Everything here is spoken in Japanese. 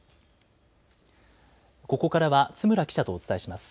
ここからは津村記者とお伝えします。